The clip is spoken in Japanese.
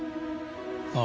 ああ。